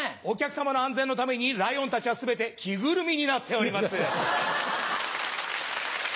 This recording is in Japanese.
お客様の安全のためにライオンたちは全て着ぐるみになっております。